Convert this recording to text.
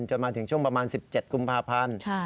จนมาถึงช่วงประมาณ๑๗กุมภาพันธ์